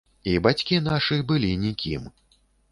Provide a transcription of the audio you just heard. І бацькі нашы былі нікім.